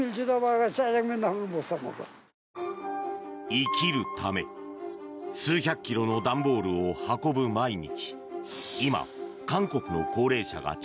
生きるため数百キロの段ボールを運ぶ毎日。